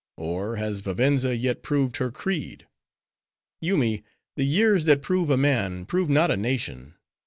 Or, has Vivenza yet proved her creed? Yoomy! the years that prove a man, prove not a nation.